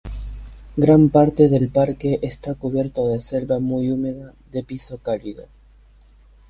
Gran parte del parque está cubierto de selva muy húmeda de piso cálido.